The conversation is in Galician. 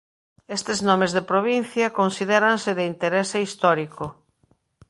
Estes nomes de provincia considéranse de interese histórico.